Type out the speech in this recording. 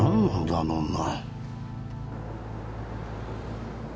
あの女。